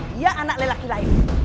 dia anak lelaki lain